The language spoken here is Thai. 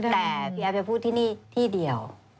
แต่พี่แอฟไปพูดที่นี่ที่เดียว